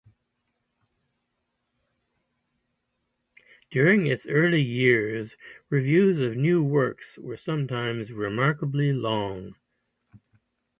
During its early years, reviews of new works were sometimes remarkably long.